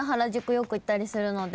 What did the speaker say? よく行ったりするので。